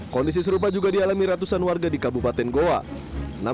kondisi serupa juga dialami ratusan warga di kabupaten goa